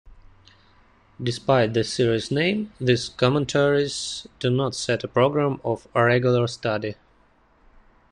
Despite the series name, these commentaries do not set a program of regular study.